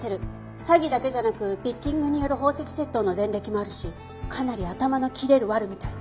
詐欺だけじゃなくピッキングによる宝石窃盗の前歴もあるしかなり頭の切れる悪みたいね。